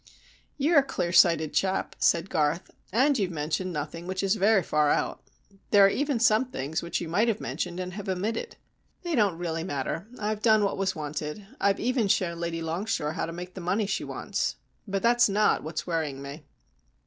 "You're a clear sighted chap," said Garth, "and you've mentioned nothing which is very far out. There are even some things which you might have mentioned and have omitted. They don't really matter. I've done what was wanted. I've even shown Lady Longshore how to make the money she wants. But that's not what's worrying me."